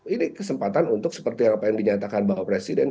ini kesempatan untuk seperti yang dinyatakan pak presiden